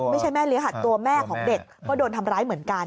แม่เลี้ยหัดตัวแม่ของเด็กก็โดนทำร้ายเหมือนกัน